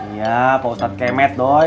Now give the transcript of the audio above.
iya pak ustadz kemet dong